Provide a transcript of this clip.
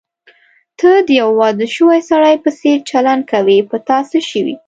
ته د یوه واده شوي سړي په څېر چلند کوې، په تا څه شوي؟